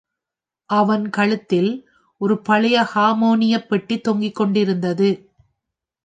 அவன் கழுத்தில் ஒரு பழைய ஹார்மோனியப் பெட்டி தொங்கிக் கொண்டிருந்தது.